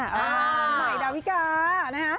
ไหมดาวิกา